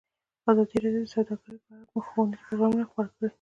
ازادي راډیو د سوداګري په اړه ښوونیز پروګرامونه خپاره کړي.